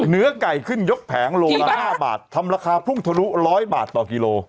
เนื้อไก่ขึ้นยกแผงโลละ๕บาททำราคาพุ่งทะลุ๑๐๐บาทต่อกิโล